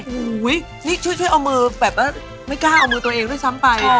โอ้โหนี่ช่วยเอามือแบบว่าไม่กล้าเอามือตัวเองด้วยซ้ำไป